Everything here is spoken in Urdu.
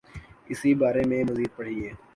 اسی بارے میں مزید پڑھیے